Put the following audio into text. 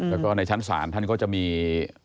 แล้วก็ในชั้นศาลท่านก็จะมี